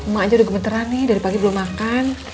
mak aja udah gemeteran nih dari pagi belum makan